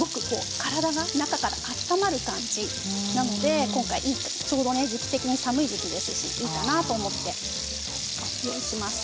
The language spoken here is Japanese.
体が中から温まる感じなので今回はちょうど時期的に寒い時期ですしいいかなと思って。